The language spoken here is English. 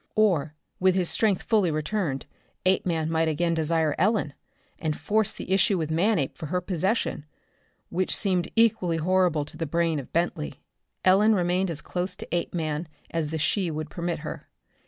Or, with his strength fully returned, Apeman might again desire Ellen, and force the issue with Manape for her possession which seemed equally horrible to the brain of Bentley. Ellen remained as close to Apeman as the she would permit her.